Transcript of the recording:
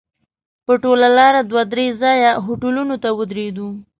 په ټوله لاره دوه درې ځایه هوټلونو ته ودرېدو.